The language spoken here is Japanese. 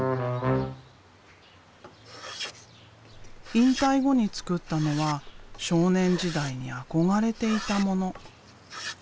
引退後に作ったのは少年時代に憧れていたもの。